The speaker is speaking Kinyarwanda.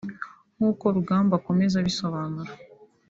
nk’uko Rugamba akomeza abisobanura